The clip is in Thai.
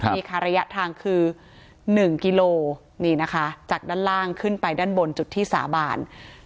นี่ค่ะระยะทางคือ๑กิโลนี่นะคะจากด้านล่างขึ้นไปด้านบนจุดที่สาบาน